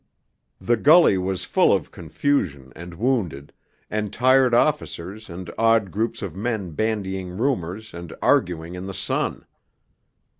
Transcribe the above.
The gully was full of confusion and wounded, and tired officers and odd groups of men bandying rumours and arguing in the sun.